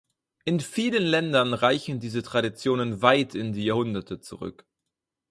In vielen Ländern reichen diese Traditionen weit in die Jahrhunderte zurück.